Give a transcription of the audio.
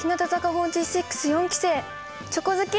４６四期生チョコ好き